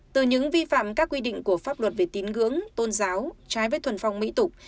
từ những vi phạm các quy định của pháp luật về tín ngưỡng tôn giáo trái với thuần phong mỹ tục